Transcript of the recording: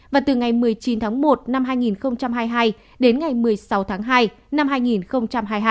và từ ngày một mươi chín tháng một mươi hai đến ngày một mươi tám tháng một năm hai nghìn hai mươi hai